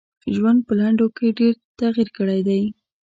ژوند په لنډو کي ډېر تغیر کړی دی .